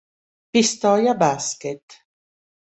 Pistoia Basket